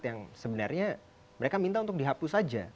yang sebenarnya mereka minta untuk dihapus saja